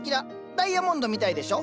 ダイヤモンドみたいでしょ。